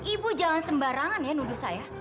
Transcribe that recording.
ibu jangan sembarangan ya nundur saya